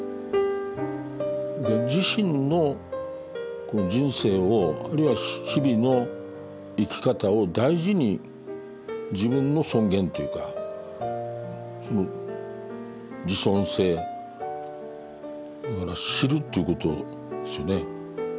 自身の人生をあるいは日々の生き方を大事に自分の尊厳というかその自尊性だから知るということですよね。